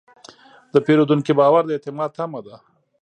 د پیرودونکي باور د اعتماد تمه ده.